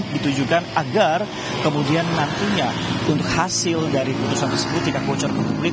ditujukan agar kemudian nantinya untuk hasil dari putusan tersebut tidak bocor ke publik